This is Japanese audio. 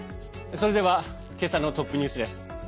それでは今朝のトップニュースです。